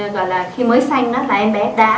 gọi là khi mới sinh đó là em bé đã